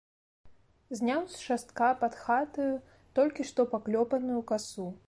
Зняў з шастка пад хатаю толькі што паклёпаную касу.